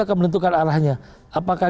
akan menentukan arahnya apakah